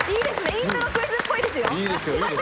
イントロクイズっぽいですよ。